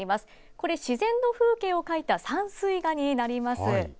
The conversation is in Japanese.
これ自然の風景を描いた山水画になります。